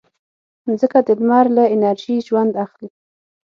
مځکه د لمر له انرژي ژوند اخلي.